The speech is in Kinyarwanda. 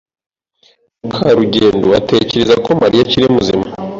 Mukarugendo atekereza ko Mariya akiri muzima.